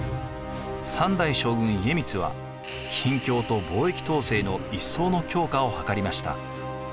３代将軍家光は禁教と貿易統制の一層の強化を図りました。